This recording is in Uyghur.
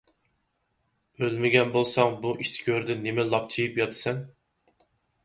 ئۆلمىگەن بولساڭ، بۇ ئىچ گۆردە نېمە لاپچىيىپ ياتىسەن؟